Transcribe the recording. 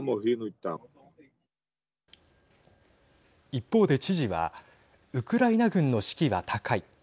一方で知事はウクライナ軍の士気は高い。